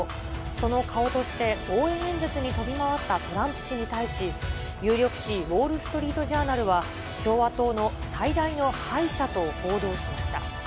その顔として、応援演説に飛び回ったトランプ氏に対し、有力紙、ウォール・ストリート・ジャーナルは、共和党の最大の敗者と報道しました。